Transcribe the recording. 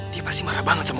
dia pasti marah banget sama